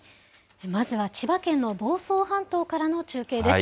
まずは千葉県の房総半島からの中継です。